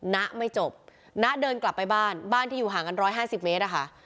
ณไม่จบนะเดินกลับไปบ้านบ้านที่อยู่ห่างกัน๑๕๐เมตรอะค่ะ